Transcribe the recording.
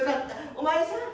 お前さん